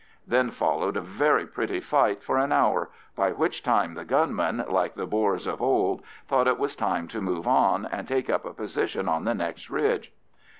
Then followed a very pretty fight for an hour, by which time the gunmen, like the Boers of old, thought it was time to move on and take up a position on the next ridge.